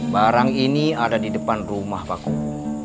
barang ini ada di depan rumah pak kuwu